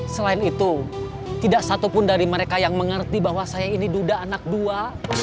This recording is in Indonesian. selain itu tidak satupun dari mereka yang mengerti bahwa saya ini duda anak dua